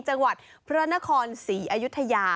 จังหวัดพระนครศรีอยุธยา